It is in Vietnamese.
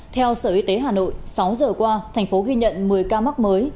theo sở y tế hà nội sáu giờ qua thành phố ghi nhận một mươi ca mắc mới